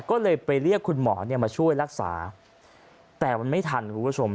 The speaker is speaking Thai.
ก็เลยไปเรียกคุณหมอมาช่วยรักษาแต่มันไม่ทันคุณผู้ชม